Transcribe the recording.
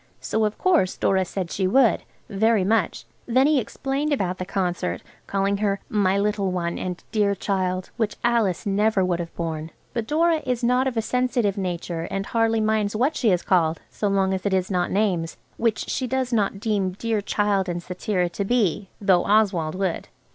So of course Dora said she would, very much. Then he explained about the concert, calling her "My little one," and "dear child," which Alice never would have borne, but Dora is not of a sensitive nature, and hardly minds what she is called, so long as it is not names, which she does not deem "dear child" and cetera to be, though Oswald would.